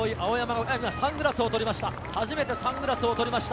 サングラスを取りました。